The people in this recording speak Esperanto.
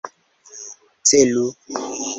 Celu!